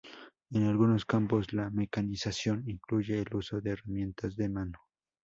En algunos campos, la mecanización incluye el uso de herramientas de mano.